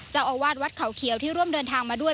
เจ้าอาวาสวัดเขาเขียวที่ร่วมเดินทางมาด้วย